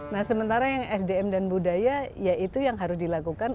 nah sementara yang sdm dan budaya ya itu yang harus dilakukan